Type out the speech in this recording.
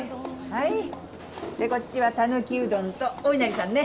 はいでこっちはたぬきうどんとおいなりさんね。